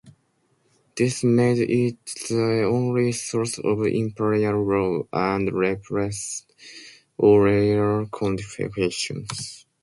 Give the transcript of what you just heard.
This made it the only source of imperial law, and repealed all earlier codifications.